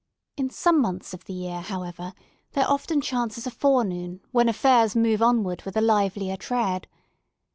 In some months of the year, however, there often chances a forenoon when affairs move onward with a livelier tread.